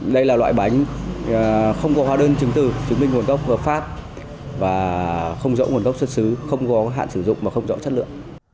đây là loại bánh không có hóa đơn trứng tử chứng minh nguồn gốc pháp và không rõ nguồn gốc xuất xứ không có hạn sử dụng và không rõ chất lượng